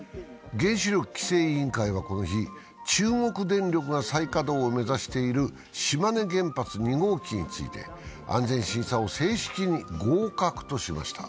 原子力規制委員会はこの日、中国電力が再稼働を目指している島根原発２号機について、安全審査を正式に合格としました。